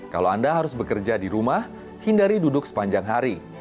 kalau anda harus bekerja di rumah hindari duduk sepanjang hari